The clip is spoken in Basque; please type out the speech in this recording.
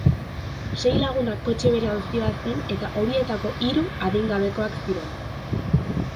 Sei lagunak kotxe berean zihoazen eta horietako hiru adingabekoak ziren.